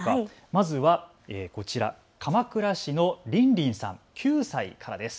まずはこちら鎌倉市のりんりんさん９歳からです。